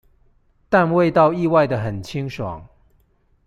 但味道意外地很清爽